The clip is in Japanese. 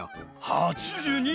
８２？